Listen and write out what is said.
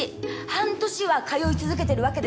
半年は通い続けてるわけですよ